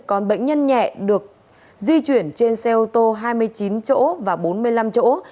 còn bệnh nhân nhẹ được di chuyển trên xe ô tô hai mươi chín chỗ và bốn mươi năm chỗ